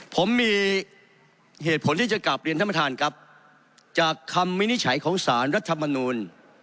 ผมมีเหตุผลที่จะกลับเรียนท่านประธานครับจากคำวินิจฉัยของสารรัฐมนูล